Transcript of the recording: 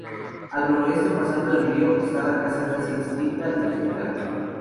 Al noroeste, pasando el río está la casa casi extinta del Gral.